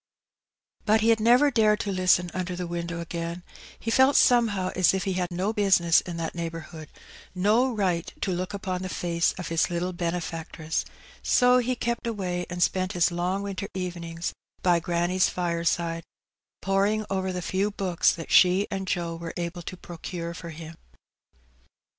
But he had never dared to listen under the window again; he felt somehow as if he had no business in that neighbourhood, no right to look upon the face of his little benefactress; so he kept away and spent his long winter evenings by granny's fireside, poring over the few books that she and Joe were able to procure for him.